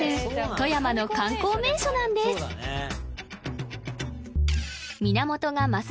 富山の観光名所なんです源がます